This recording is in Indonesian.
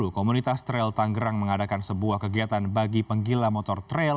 komunitas trail tanggerang mengadakan sebuah kegiatan bagi penggila motor trail